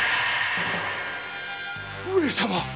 上様！